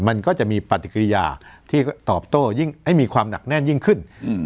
มันก็จะมีปฏิกิริยาที่ตอบโต้ยิ่งให้มีความหนักแน่นยิ่งขึ้น